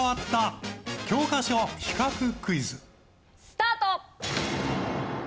スタート！